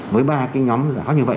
với ba cái nhóm giả khó như vậy